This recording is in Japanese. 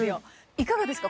いかがですか？